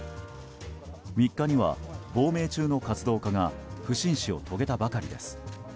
３日には亡命中の活動家が不審死を遂げたばかりです。